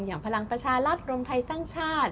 อย่างพลังประชาลาศกรมไทยสร้างชาติ